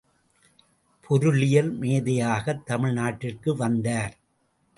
பொருளியல் மேதையாகத் தமிழ்நாட்டிற்கு வந்தார்.